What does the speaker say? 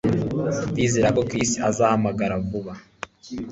Ndizera ko Chris azahamagara vuba